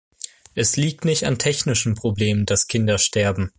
Es liegt nicht an technischen Problemen, dass Kinder sterben.